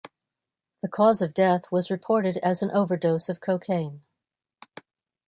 The cause of death was reported as an overdose of cocaine.